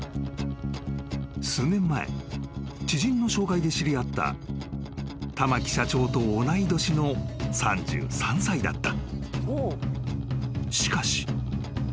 ［数年前知人の紹介で知り合った玉城社長と同い年の３３歳だった］